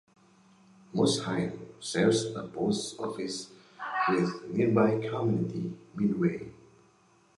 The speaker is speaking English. Mosheim shares a post office with nearby community, Midway.